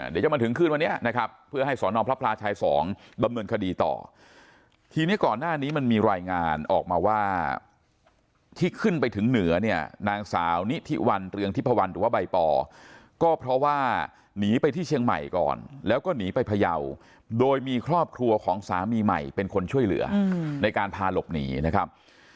เดี๋ยวจะมาถึงคืนวันนี้นะครับเพื่อให้สอนอพระพลาชายสองดำเนินคดีต่อทีนี้ก่อนหน้านี้มันมีรายงานออกมาว่าที่ขึ้นไปถึงเหนือเนี่ยนางสาวนิทิวันเรืองทิพวันหรือว่าใบปอก็เพราะว่าหนีไปที่เชียงใหม่ก่อนแล้วก็หนีไปพยาวโดยมีครอบครัวของสามีใหม่เป็นคนช่วยเหลือในการพาหลบหนีนะครับ